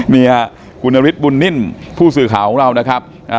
นี่ค่ะคุณนฤทธบุญนิ่มผู้สื่อข่าวของเรานะครับ